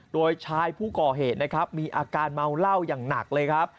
โดยชายผู้ก่อเหตุนะครับมีอาการเมาเหล้าอย่างหนักเลยครับ